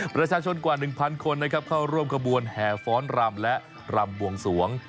ประชาชนกว่า๑๐๐คนนะครับเข้าร่วมขบวนแห่ฟ้อนรำและรำบวงสวง